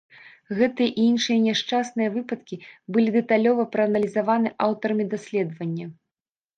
Гэтыя і іншыя няшчасныя выпадкі былі дэталёва прааналізаваны аўтарамі даследавання.